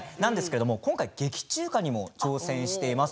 今回、劇中歌にも挑戦しています。